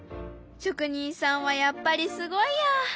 職人さんはやっぱりすごいや。